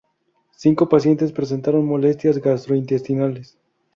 Cinco pacientes presentaron molestias gastrointestinales.